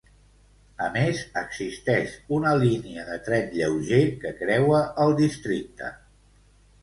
A més, existeix una línia de tren lleuger que creua el districte.